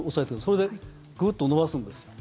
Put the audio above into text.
それでグッと伸ばすんですよ。